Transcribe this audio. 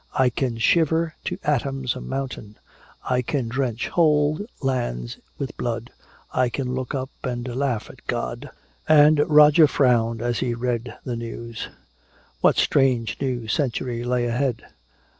I can shiver to atoms a mountain, I can drench whole lands with blood! I can look up and laugh at God!" And Roger frowned as he read the news. What strange new century lay ahead?